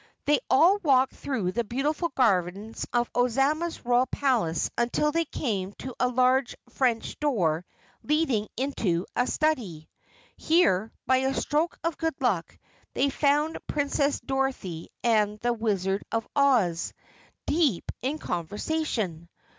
They all walked through the beautiful gardens of Ozma's Royal Palace until they came to a large French door leading into a study. Here, by a stroke of good luck, they found Princess Dorothy and the Wizard of Oz, deep in conversation.